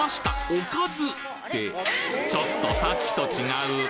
「おかず」ってちょっとさっきと違う！